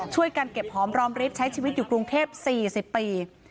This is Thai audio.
ช่วยกันเก็บหอมรอมริบใช้ชีวิตอยู่กรุงเทพ๔๐ปี